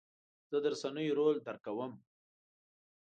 زه د رسنیو رول درک کوم.